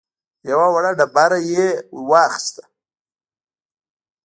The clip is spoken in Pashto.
يوه وړه ډبره يې ور واخيسته.